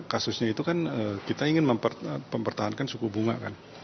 kasusnya itu kan kita ingin mempertahankan suku bunga kan